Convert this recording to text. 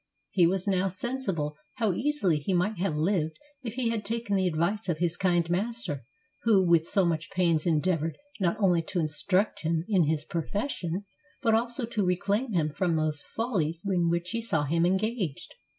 He was now sensible how easily he might have lived if he had taken the advice of his kind master, who with so much pains endeavoured not only to instruct him in his profession, but also to reclaim him from those follies in which he saw him engaged.